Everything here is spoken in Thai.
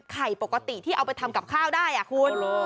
ปกติที่เอาไปทำกับข้าวได้คุณ